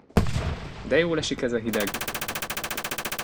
De jólesik ez a hideg!